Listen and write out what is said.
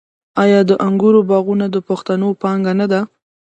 آیا د انګورو باغونه د پښتنو پانګه نه ده؟